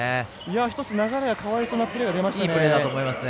１つ流れが変わりそうなプレーが出ましたね。